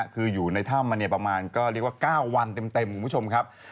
คืออยู่ในถ้ำมาประมาณก็เรียกว่า๙วันเต็มคุณผู้ชมครับ